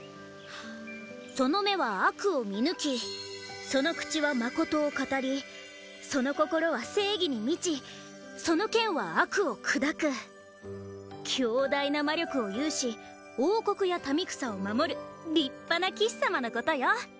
その目は悪を見抜きその口は真を語りその心は正義に満ちその剣は悪を砕く強大な魔力を有し王国や民草を守る立派な騎士様のことよ